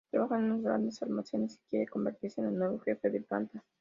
Trabaja en unos grandes almacenes y quiere convertirse en el nuevo Jefe de planta.